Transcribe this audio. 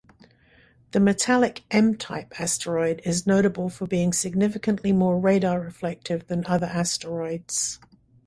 The metallic M-type asteroid is notable for being significantly more radar-reflective than other asteroids.